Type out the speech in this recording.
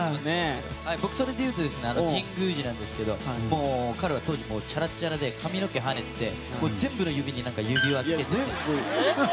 僕、それでいうと神宮寺ですけどもう彼は当時、チャラチャラで髪の毛がはねてて全部の指に指輪をつけていて。